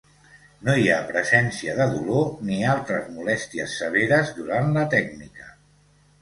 No hi ha presència de dolor ni altres molèsties severes durant la tècnica.